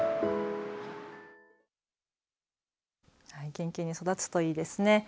元気に育つといいですね。